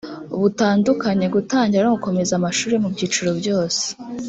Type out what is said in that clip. butandukanye gutangira no gukomeza amashuri yo mu byiciro byose